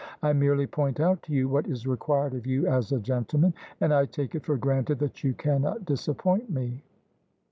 I merely point out to you what is required of you as a gentleman, and I take it for granted that you cannot disappoint me.''